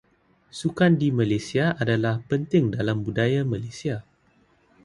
Sukan di Malaysia adalah penting dalam budaya Malaysia.